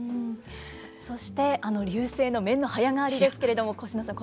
そしてあの「流星」の面の早変わりですけれどもコシノさん